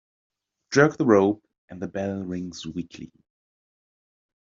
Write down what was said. Jerk the rope and the bell rings weakly.